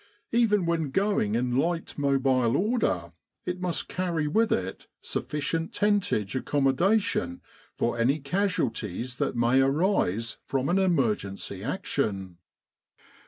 Even when going in light mobile order it must carry with it sufficient tentage accommodation for any casualties that may arise from an emergency action.